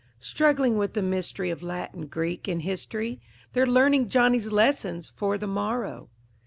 Struggling with the mystery of Latin, Greek, and history, They're learning Johnny's lessons for the morrow.